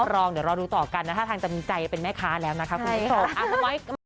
รองเดี๋ยวรอดูต่อกันนะท่าทางจะมีใจเป็นแม่ค้าแล้วนะคะคุณผู้ชม